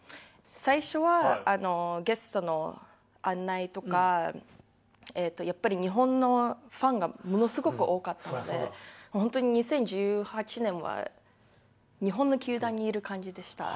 最初は、ゲストの案内とか、やっぱり日本のファンがものすごく多かったので、本当に２０１８年は日本の球団にいる感じでした。